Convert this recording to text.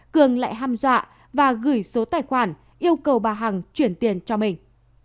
cường lại ham dọa và gửi số tài khoản yêu cầu bà hằng chuyển tiền cho mình